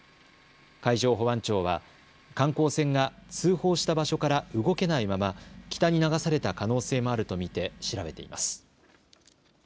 海上保安庁は観光船が通報した場所から動けないまま北に流された可能性もあると見て調べています。